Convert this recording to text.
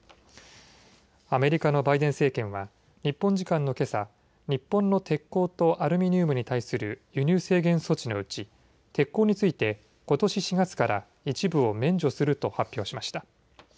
アメリカのバイデン政権は日本時間のけさ、日本の鉄鋼とアルミニウムに対する輸入制限措置のうち鉄鋼についてことし４月から一部を免除すると発表しました。